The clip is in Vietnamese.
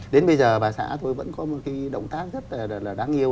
đến bây giờ bà xã tôi vẫn có một cái động tác rất là đáng yêu